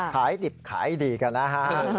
ขายดิบขายดีกันนะฮะ